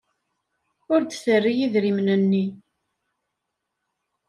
Ur d-terri idrimen-nni.